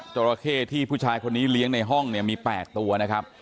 จราเข้ที่ผู้ชายคนนี้เลี้ยงในห้องเนี่ยมี๘ตัวนะครับ